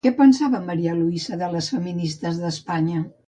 Què pensava María Luisa de les feministes d'Espanya?